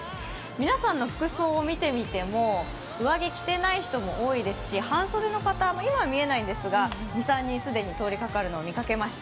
皆さんの服装を見てみても上着を着てない人も多いですし半袖の方、今は見えないんですが、２３人、既に通りかかるのを見かけました。